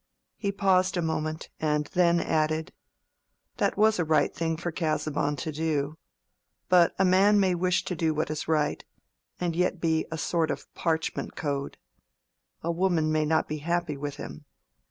He paused a moment, and then added, "That was a right thing for Casaubon to do. But a man may wish to do what is right, and yet be a sort of parchment code. A woman may not be happy with him.